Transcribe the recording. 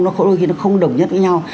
nó khổ đôi khi nó không đồng nhất với nhau